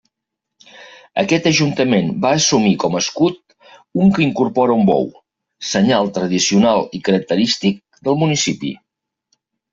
Aquest Ajuntament va assumir com a escut un que incorpora un bou, senyal tradicional i característic del municipi.